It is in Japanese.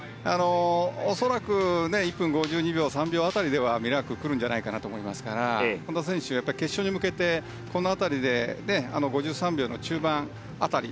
恐らく１分５２秒１分５３秒ぐらいでミラーク、来るんじゃないかなと思いますから本多選手、決勝に向けてこの辺りで５３秒の中盤辺り。